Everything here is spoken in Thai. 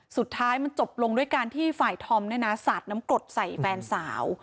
สุดท้ายมันจบลงด้วยการที่ฝ่ายธอมเนี่ยนะสาดน้ำกรดใส่แฟนสาว